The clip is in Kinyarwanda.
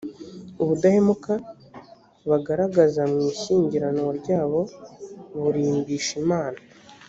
ubudahemuka bagaragaza mu ishyingiranwa ryabo burimbisha imana